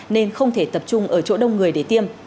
nên không thể tập trung ở chỗ đông người để tiêm